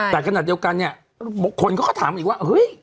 แต่ขนาดเดียวกันเนี่ยคนเขาก็ถามอีกว่าเฮ้ย